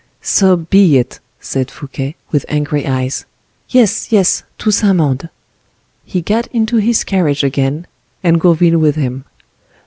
"So be it," said Fouquet, with angry eyes;—"yes, yes, to Saint Mande!" He got into his carriage again, and Gourville with him.